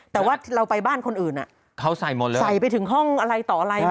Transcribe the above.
แต่ว่าเราไปบ้านคนอื่นเขาใส่ไปถึงห้องอะไรต่ออะไร